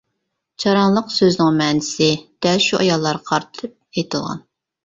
جاراڭلىق سۆزىنىڭ مەنىسى دەل شۇ ئاياللارغا قارىتىپ ئېيتىلغان.